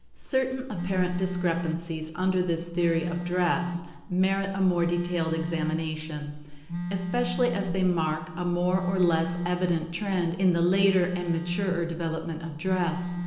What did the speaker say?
Certain apparent discrepancies under this theory of dress merit a more detailed examination, especially as they mark a more or less evident trend in the later and maturer development of dress.